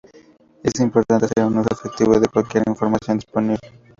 Es importante hacer un uso efectivo de cualquier información disponible.